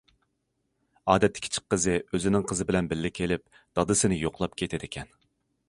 ئادەتتە كىچىك قىزى ئۆزىنىڭ قىزى بىلەن بىللە كېلىپ دادىسىنى يوقلاپ كېتىدىكەن.